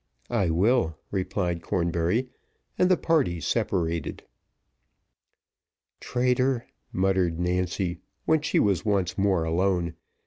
"I will," replied Cornbury; and the parties separated. "Traitor," muttered Nancy, when she was once more alone.